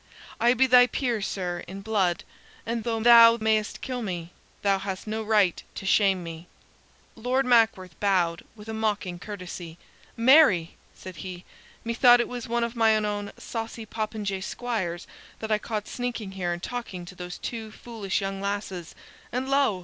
I be thy peer, sir, in blood; and though thou mayst kill me, thou hast no right to shame me." Lord Mackworth bowed with a mocking courtesy. "Marry!" said he. "Methought it was one of mine own saucy popinjay squires that I caught sneaking here and talking to those two foolish young lasses, and lo!